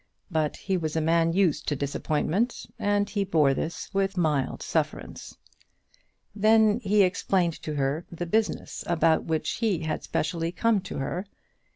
But he was a man used to disappointment, and he bore this with mild sufferance. Then he explained to her the business about which he had specially come to her.